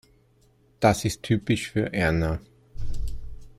Das ist typisch für Erna.